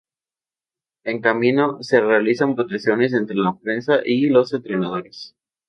En cambio, se realizan votaciones entre la prensa y los entrenadores.